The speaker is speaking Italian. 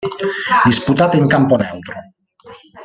Disputata in campo neutro.